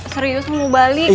serius mau balik